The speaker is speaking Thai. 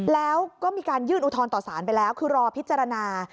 แล้วก็มีการยื่นอุทธรณ์ต่อสารไปแล้วคือรอพิจารณา